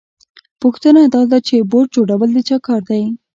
پوښتنه دا ده چې بوټ جوړول د چا کار دی